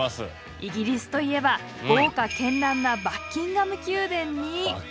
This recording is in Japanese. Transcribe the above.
イギリスといえば豪華絢爛なバッキンガム宮殿。